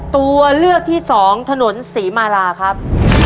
ตัวเลือกที่สองถนนศรีมาราครับ